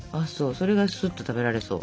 それがすっと食べられそう？